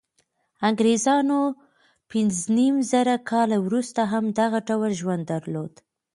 انګرېزانو پنځه نیم زره کاله وروسته هم دغه ډول ژوند درلود.